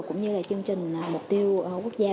cũng như là chương trình mục tiêu quốc gia